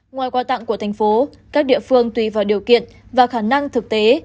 ngoài quà tặng của thành phố các địa phương tùy vào điều kiện và khả năng thực tế